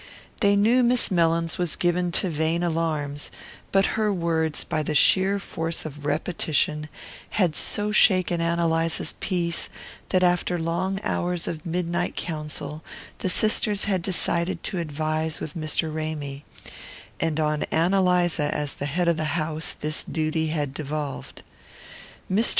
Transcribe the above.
They knew Miss Mellins was given to vain alarms; but her words, by the sheer force of repetition, had so shaken Ann Eliza's peace that after long hours of midnight counsel the sisters had decided to advise with Mr. Ramy; and on Ann Eliza, as the head of the house, this duty had devolved. Mr.